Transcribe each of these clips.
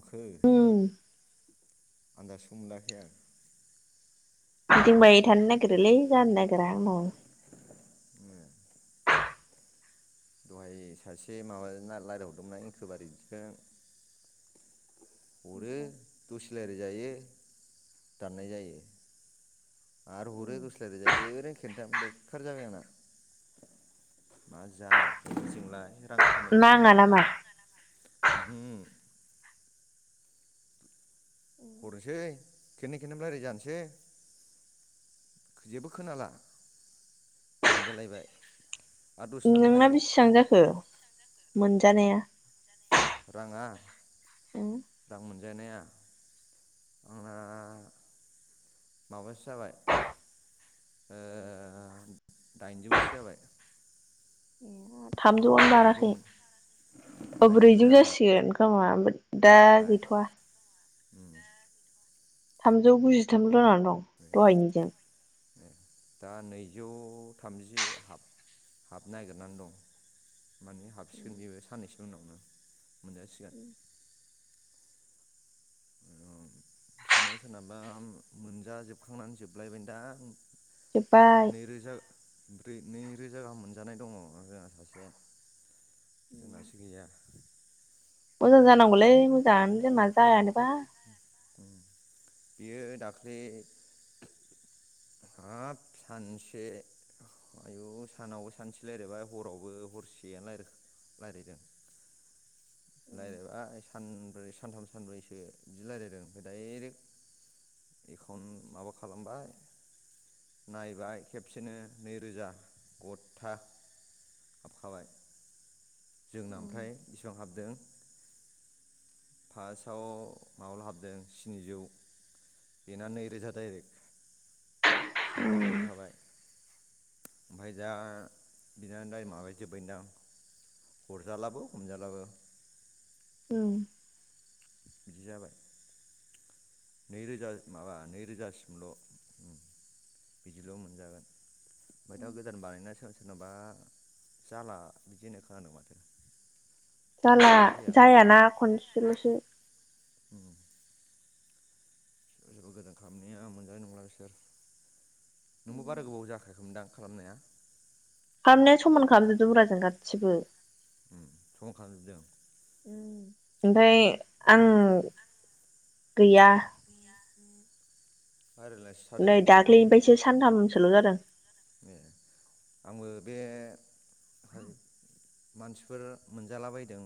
[unintelligible] उम आनन्दाजखौ मोनाखै आं गिदिंबाय थानो नागिरोलै जानो नागिरा आंनाव। ओ दहाय सासे माबाजो रायलायहरदोंना इंख बारि बिदिख अरो दसे लारि जायो दाननाय जायो आरो हरै दसे रालायजायो खेथाम बेेखार जाबाय आंना मा जानांगौ जोंलाय रां खामायनो नाङा नामा? साननायालाय रां आं नामा उहो हरनोसै खेननै खेनथाम रायलायजानोसै जेबो खोनाला दानजालायबाय आरो दसे थानानै नोंना बेसिबां जाखो मोन जानाया राङा रां मोन देनाया आंना माबासो जाबाय दाइनजौसो जाबाय ए आरो थामजौआनो दाइनजौ बाराखै मोन अ दाइनजौ ब्रैजौ जाबाय जासिगोन नमा दा गैथवा उम थामजौ गुजिथामलन दहायनिजों ए दा नैजौ थामजि हाब हाबनो नागिरनानै दं माने हाबसिगोन बेेबो साननैसो जोंनावनो मोनजासिगोन सोरनाबा सोरनाबा मोनजाजोबखांनानै जोबलायबायन दां जोबपाय ब्रै नैरोजा गाहाम मोनजानाय दङ जोंहा सासे जोंनासो गैया। मोजां जानांगौलै मोजाङानो जों ना जायानो बा। बेयो दाख्लि हाब सानसे आयु सानावबो सानसे रायलायबाय हरावबो हरसेयानो राय रायज्लायदों। रायलायबाय सानब्रै सानथाम सानब्रैसो बिदि रायलायदों ओमफ्राय डाइरेक्ट एकाउन्ट माबा खालामबाय नायबाय खेबसेनो नैरोजा गथा हाबखाबाय। जोंना उम आमफ्राय इसिबां हाबदों फार्स्टआव माबा हाबदों स्निजौ बेना नैरोजा डाइरेक्ट। सि दाहाबहैखाबाय ओमफाय दा बिनाय माबायाजोबबायदां हरजालाबो हमजालाबो। औ। बिदि जाबाय। नैरोजा माबा नैरोजासिमल' बिदिल' मोनजागोन। ओमफाय दा गोदान बानायनासो नोबा जाला बिदि होननाय खोनादों माथो। जाला माबायानो फैयाखै नो जायाना खनसेल'सो [unintelligible] सोरबा सोरबा गोजान खालामनाया मोनजानाय नंला बिसोर नोंबो बारा गोबाव जाखायाखोमोनदां खालामनाया। खामनाया समान खालामजोबदोंब्रा जों गासिबो। उम समान खालामजोबदों उम ओमफाय आं गैया भाइरेलासो जादों नै दाखलैनिफायसो सानथामसोल' जादों। ए आंबो बे [unintelligible] मानसिफोर मोनजालाबायदों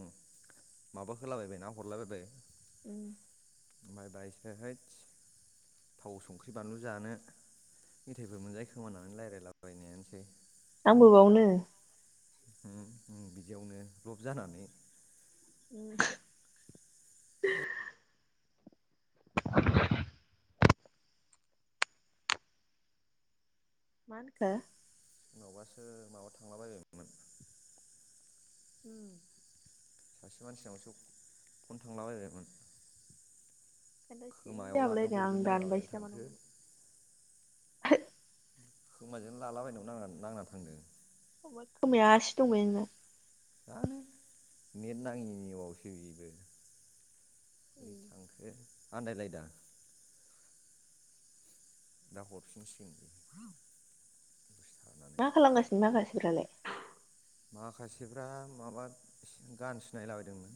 माबा होलाबायबाय ना हरलाबायबाय उम ओमफाय बायसोहाय थाव संख्रि बानलु जानो मेथायाइफोर मोनजायो खोमा होननानै लायराय ला बायनायानोसै आंबो बावनो उम उम बिदियावनो लब जानानै उम [unintelligible] मा होनखो? नावबासो माबा थांलाबायबायोमोन उम सासे मानसिनाव सोब फन थांलाबायबायमोन। ओंखानथ' खोमायाव लानायाव सिरि [unintelligible] बोरैबा आं दन नांलाबायनानै बायसो नामा थांखो नंदों। खोमाजोंनो लालाबायनायाव नांना नांना थांदों। खोमोद खोमाया आसि दं बे नोंना। दानो नेट नाङियावसो बेबो बोरै थांखो आन्दायलायदां दा हरफिनसिगोन बि [inaudible] मा खालामगासिनो माखासिफ्रालाय? माखासेफ्रा माबा गान सिनायलाबायदोंमोन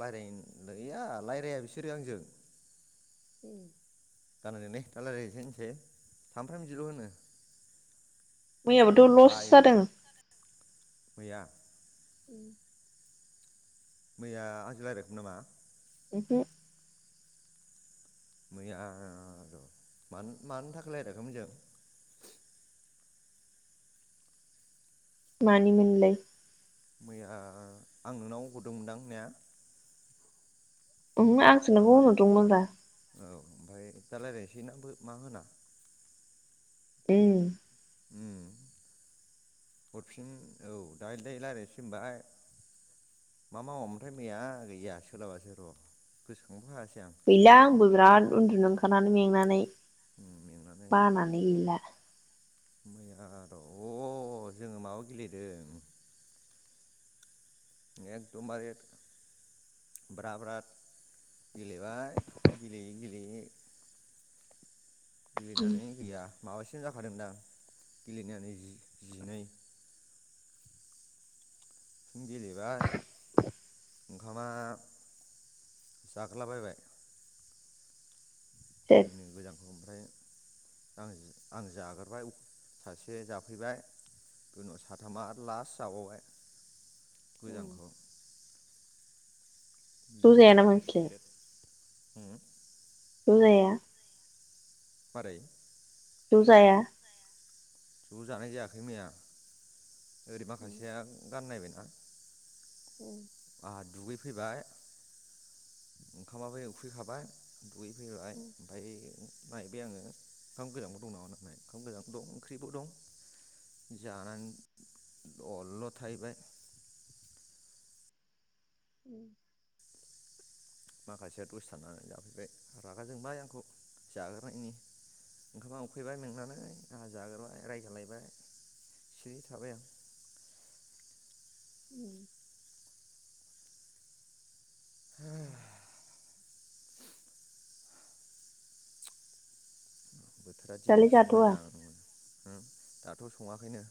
रायज्लाय गैया रायज्लाया बिसोरो आंजों उम ओरैनो दा रायलायनोसै होनसै सामफ्रामबो बिदिल' होनो। मैयाबोथ' लस बायो जादों मैया उम मैया आंजों रायलायाखैमोन नामा? उमहो मैया र' मानो मानो थाखाय लायरायाखैमोन जों मानि मोनलाय? मैया आं नोंनाव हरदोंमोनदां ना? ओंहो आंसो नोंखौ माबा होनहरदोंमोन रा। औ ओमफ्राय दा राय्लायनोसै ना मा होना? उम। उम हरफिन औ दायो दायो रायलायनोसै होनबाय मा मावामोनथाय मैया गैया सोलाबासो र' गोसोखांबो होवासै गैला आंबो बिराद उन्दुनो ओंखारनानै मेंनानै उम मेंनानै बानानै गैला। मैया र' जोङो माबा गेलेदों एखदमबारे ब्रा ब्रााद गेलेबाय गेलेयै गेलेयै। गेलेनानै गैया। माबासिनो जाखादों दां गेलेनायनानै जि जिनै। सं गेलेबाय ओंखामा जागलाबायबाय। सेस मैया गोजांखौ ओमफ्राय। आं आं जाग्रारबाय सासे जाफैबाय उनाव साथामा आरो लास्ट जाबावबाय। गोजांखौ। ज' जायाना नोंसोरलाय [unintelligible] उम। जाया। बारै? ज जाया? ज' जानाय जायाखै मैया। ओरै माखासेया गाननायबायना। ओं। हा दुगैफैबाय ओंखामाबो उखैखाबाय। दुगैफैबाय ओमफाय नायबाय आङो ओंखाम गोजांबो दं नामा नाय ओंखाम गोजानबो दं। ओंख्रिबो दं जानानै दलद' थाहैबाय। उम। माखासेया दसे थाननानै जाफैबाय रागा जोंबाय आंखौ जाग्रोनायनि ओंखामा उखैबाय मेंनानै आंहा जाग्रोबाय रायजालायबाय सिरि थाबाय आं। उम। हो। [inaudible] बोथोरा दिनै दालाय एसे जाथ'वा मोजां। दाथ' संङाखैनो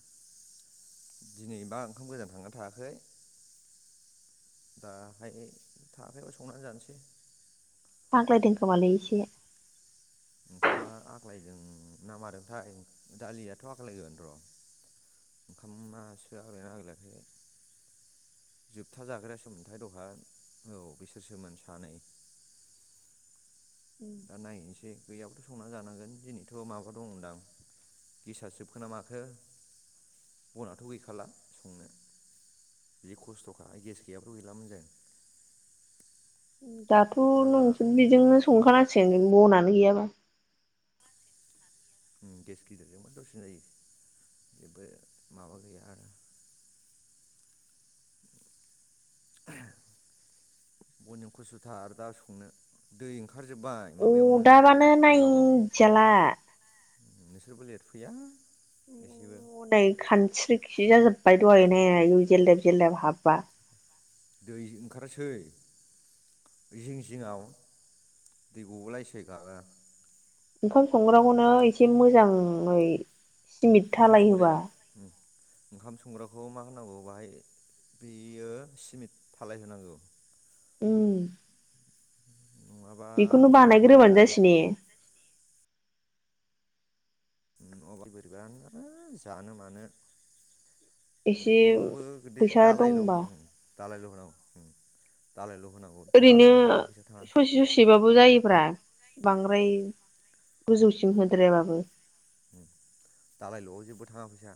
दिनै मा ओंखाम गोजान थांना थायाखै दाहाय थायाखैबा संनानै जानोसै। आग्लायदोंखोमालै एसे। ओंखामा आग्लायदों ना मादोंथाय दालियाथ' आग्लायगोन र' ओंखामासो आग्लायना आग्लायाखै जोबथा जाग्रायासोममोनथाय दहाय औ बिसोरसोमोन सानै। उम दा नायहनोसै गैयाबोथ' संना जानांगोन दिनैथ' माबा दंदां गेसाआ जोबखोना माखो बनाथ' गैखाला संनो जि खस्थ'खा गेस गैयाबाथ' गैलामोन जों। दाथ' मा जाना नोंजों बेजोंनो संखानांसिगोन [unintelligible] बना नो गैया बा। उम गेस गिदिरजोंबो दसिन जायो जेबो माबा गैया आरो। बनजों खस्थ'थार आरो दा संनो दै ओंख उदाबानो नायजाला नोंसोरबो लेटफैया आयु नैखानस्रिखि जाजोब्बाय दहायनाया इय जलदेब जलदेब हाब बा दै ओंखारसै जिं जिंआव दै गबोलायसै गाबा ओंखाम संग्राखौनो एसे मोजाङै सिमिट ओंखाम थालायहोबा संग्राया ओंखाम संग्राखौ मा होनांगौ बाहाय बेयो सिमेट थालाय होनांगौ उम नङाबा बेखौनो बिराद माबा बानायग्रोबानो जायो जासि ने उम [unintelligible] बोरैबानो आरो जानो मानो एसे बेखौबो गोदै फैसा दालायल' दंबा उम दालायल' औ उम ओरैनो ससे ससेबाबो जायो फोरा बांद्राय गोजौसिम होद्रायाबाबो दालायल'आव जेबो थाङा फैसा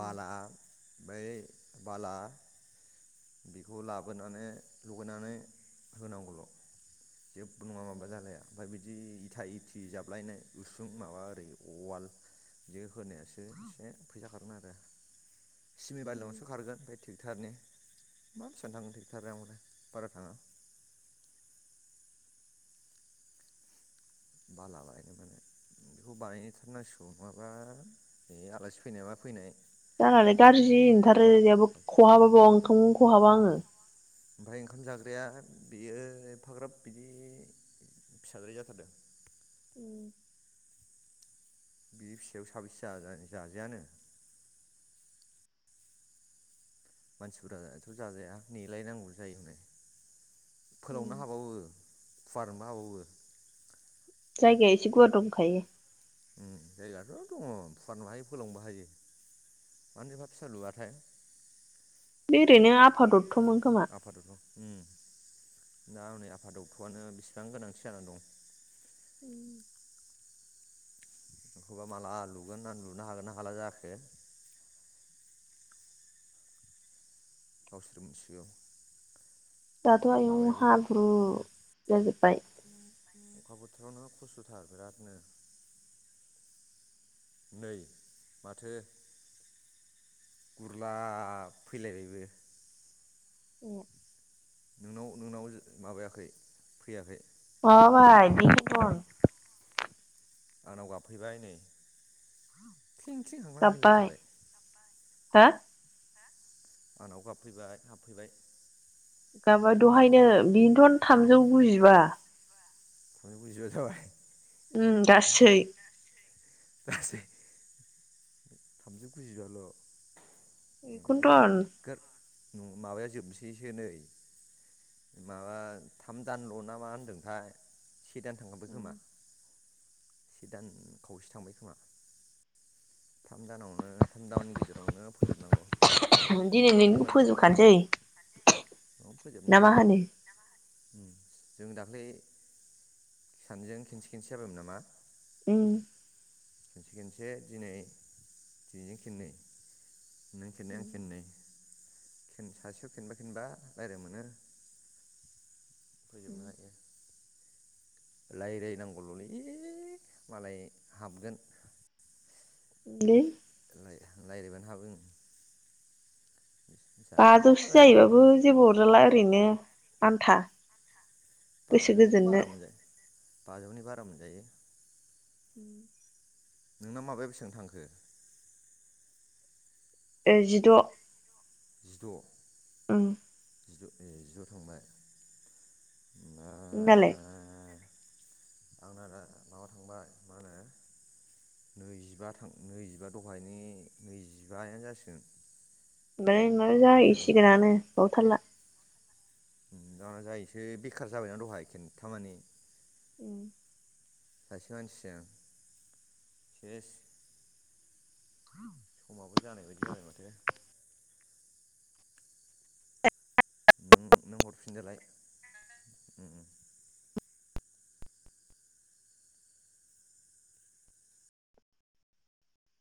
बाला ओमफाय बाला बेखौ लाबोनानै लगायानै होनांगौल' जे नङा माबा जालाया ओमफ्राय बिदि इथा इथि जाबलायनाय उसुं माबा उवाल बिदि होनायासो एसे फैसा खारगोन आरो सिमि बालावसो खारगोन ओमफाय ट्रेक्टरनि मा बेसेबां थांगोन ट्रेक्टरलाय बारा थाङा बाला बायनो मोनो बेखौ बानायथारनांसिगौ नङाबा बे आलासि फैनाय मा फैनाय जानालाय गाज्रि [unintelligible] आदसा खहाब ओंखाम खहाबा आङो ओमफ्राय ओंखाम जाग्राया बेयो एफाग्राब बिदि फिसाज्राय जाथारदों ओम बि फिसायाव साबैसे जाजानो जाजायानो। मानसिफोराथ' जाजाया नेलायनांगौ जायो फोलावनो हाबावो फुवारनोबो हाबावो। जायगाया एसे गुवार दंखायो। ओम जायगायाथ' दङ फुवारनोबो हायो फोलावनोबो हायो मानो ऐफा फिसा लुवाथाय बे ओरैनो आफा द [unintelligible] खोमा ओम दा हनै आफादक्थ'आनो बेसेबां गोनांथि जानानै दं। एखौबा माला लुगोन ना लुनो हागोन ना हाला जाखो गावसोर मोनथिसिगौ दाथ' आयौ हाब्रु जाजोब्बाय। अखा बोथोरावनो खस्थ'थार बेरादनो नै माथो गुरलाब फैलायबायबो। बे नोंनाव नोंनाव माबायाखै फैयाखै? अ भाय [inaudible] आंनाव गाबफैबाय नै। थिं थिं हांलां गाबबाय मिलायथारबाय हो आंनावबो गाबफैबाय हाबफैबाय। गाब्बाय हाब दहायनो बेनोथ'न ए थामजौ गुजिबा थामजौ गुजिबा जाबाय। उम गासै गासै थामजौ गुजिबाल' ए बेखौनोथन नोगोर ओम माबाया जोबनोसैसो नै माबा थाम दानल' ना मा होनदोंथाय से दान थांगोनबो खोमा से दान खावसे थांबाय खोमा थाम दानावनो दावनि गेजेरावनो फैजोबनांगौ नोङो दिनैनो मो फोजोबखानोसै औ फोजोबनो ना मा हायो होनो ओम। जों दाख्लै सानैजों खेनसे खेनसे जाबायमोन नामा? उम खेनसे खेनसे दिनै दिनैजों खेनननै नों खेननै आं खेननै खेन सासेयाव खेनबा खेनबा रायज्लाय मोनो फैजोबनो हायो। लायरायनांगौल'लै मालाय हाबगोन। बि लायरायबानो हाबो ओम। बाजौसो जाहैबाबो जेबो अरजाला ओरैनो आन्था गोसो बाजौ गोजोननो बारा मोनजायो बाजौनि बारा मोनजायो। उम नोंना माबाया बेसेबां थांखो ओ जिद' जिद' औ जिद' ए जिद' थांबाय नोंना नोंनालाय आंना दा माबा थांबाय मा होनो नैजिबा थां नैजिबा दहायनि नैजिबायानो जासिगोन दाय नोंना जाहैसिगोनानो बावथारला [unintelligible] जाहैनोसो बेखार जाबायना दहा खेनथाम मानि उम सासे मानसिजों सेस समाबो जानाय बायदि जाबाय माथो नों नों हरफिनदोलाय उम